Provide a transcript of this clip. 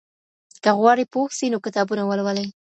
که غواړئ پوه سئ نو کتابونه ولولئ.